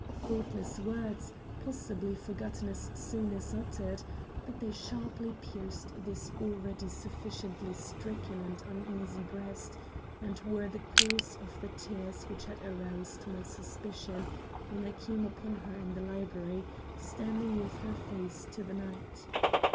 Thoughtless words, possibly forgotten as soon as uttered, but they sharply pierced this already sufficiently stricken and uneasy breast and were the cause of the tears which had aroused my suspicion when I came upon her in the library, standing with her face to the night.